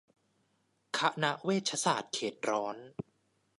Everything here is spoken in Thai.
คณะเวชศาสตร์เขตร้อน